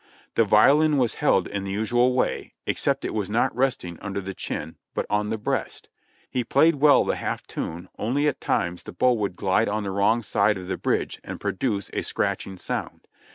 The violin was held in the usual way, except it was not resting under the chin, but on the breast. He played well the half tune, only at times the bow would glide on the wrong side of the bridge and produce a scratching sound.